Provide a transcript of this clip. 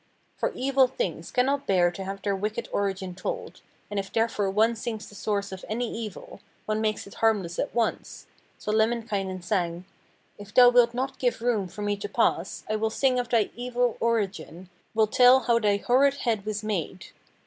For evil things cannot bear to have their wicked origin told, and if therefore one sings the source of any evil, one makes it harmless at once, so Lemminkainen sang: 'If thou wilt not give room for me to pass, I will sing of thy evil origin, will tell how thy horrid head was made.